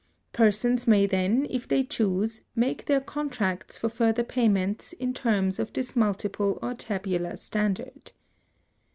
Persons may then, if they choose, make their contracts for future payments in terms of this multiple or tabular standard."